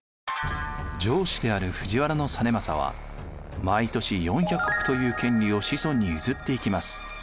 上司である藤原実政は毎年４００石という権利を子孫に譲っていきます。